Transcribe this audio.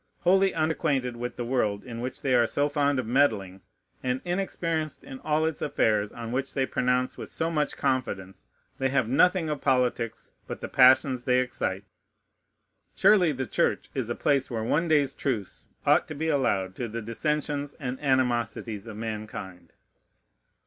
Wholly unacquainted with the world, in which they are so fond of meddling, and inexperienced in all its affairs, on which they pronounce with so much confidence, they have nothing of politics but the passions they excite. Surely the church is a place where one day's truce ought to be allowed to the dissensions and animosities of mankind.